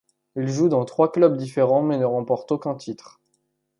Il joue dans trois clubs différents mais ne remporte aucun titre.